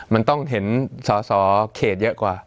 มันต้องเห็นสอสอเขตเยอะกว่า